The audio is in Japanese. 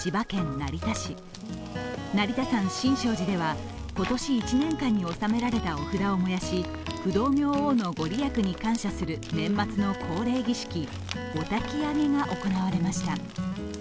成田山新勝寺では今年１年間に納められた御札を燃やし、不動明王の御利益に感謝する年末の恒例儀式、お焚き上げが行われました。